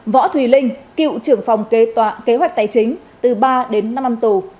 võ thùy linh cựu trưởng phòng kế hoạch tài chính từ ba đến năm năm tù